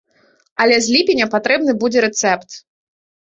Але з ліпеня патрэбны будзе рэцэпт.